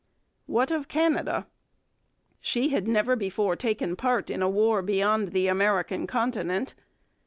What of Canada? She had never before taken part in war beyond the American continent.